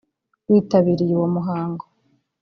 witabiriye uwo muhango